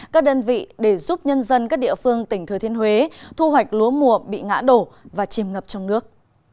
các đơn vị để giúp nhân dân các địa phương tỉnh thừa thiên huế thu hoạch lúa mùa bị ngã đổ và chìm ngập trong nước